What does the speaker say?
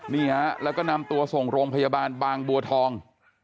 นี่ฮะแล้วก็นำตัวส่งโรงพยาบาลบางบัวทอง